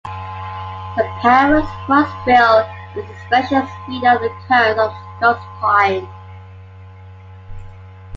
The parrot crossbill is a specialist feeder on the cones of Scots pine.